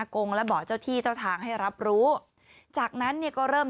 กงและบอกเจ้าที่เจ้าทางให้รับรู้จากนั้นเนี่ยก็เริ่ม